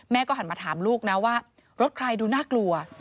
หันมาถามลูกนะว่ารถใครดูน่ากลัว